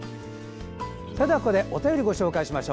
それでは、ここでお便りご紹介します。